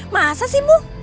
masa sih bu